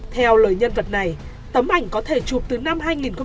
theo lời nhân vật này tấm ảnh có thể chụp từ năm hai nghìn bảy